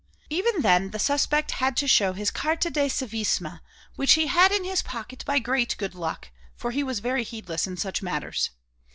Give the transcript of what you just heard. Even then the suspect had to show his carte de civisme, which he had in his pocket by great good luck, for he was very heedless in such matters.